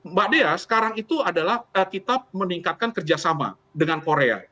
mbak dea sekarang itu adalah kita meningkatkan kerjasama dengan korea